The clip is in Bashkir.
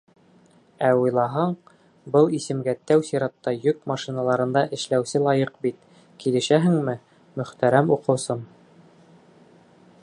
Ә уйлаһаң, был исемгә тәү сиратта йөк машиналарында эшләүсе лайыҡ бит, килешәһеңме, мөхтәрәм уҡыусым?